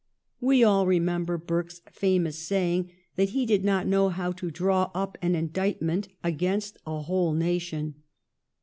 We all remember Burke's famous saying, that he did not know how to draw up an indictment against a whole nation.